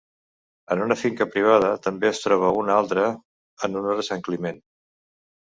En una finca privada també es troba una altra en honor a Sant Climent.